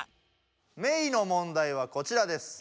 メイの問題はこちらです。